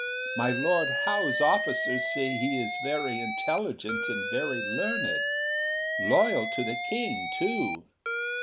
My Lord Howe's officers say he is very intelligent and very learned. Loyal to the King, too.